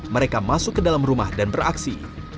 mereka masuk ke dalam rumah dan beraksi